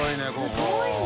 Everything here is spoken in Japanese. すごいな。